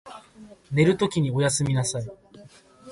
寝るときにおやすみなさい。